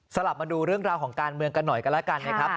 กลับมาดูเรื่องราวของการเมืองกันหน่อยกันแล้วกันนะครับ